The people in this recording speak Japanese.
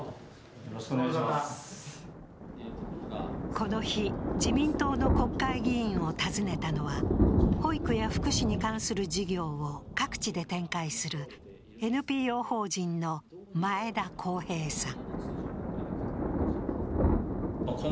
この日、自民党の国会議員を訪ねたのは保育や福祉に関する事業を各地で展開するＮＰＯ法人の前田晃平さん。